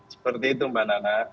seperti itu mbak nana